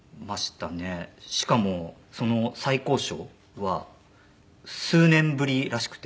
しかもその最高賞は数年ぶりらしくて。